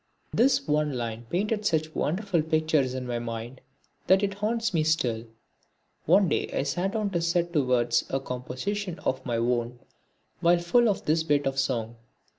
This one line painted such wonderful pictures in my mind that it haunts me still. One day I sat down to set to words a composition of my own while full of this bit of song.